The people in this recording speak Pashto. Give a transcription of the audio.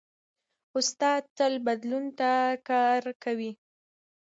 استاد تل بدلون ته کار کوي.